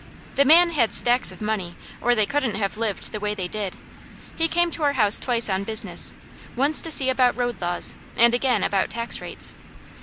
The man had stacks of money or they couldn't have lived the way they did. He came to our house twice on business: once to see about road laws, and again about tax rates.